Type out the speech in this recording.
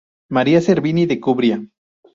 María Servini de Cubría.